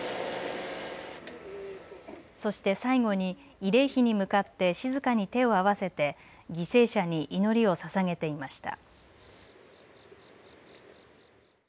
そして最後に慰霊碑に向かって静かに手を合わせて犠牲者に祈りをささげていました。